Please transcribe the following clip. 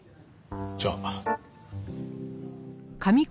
じゃあ。